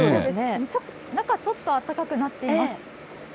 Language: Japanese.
中ちょっとあったかくなっています。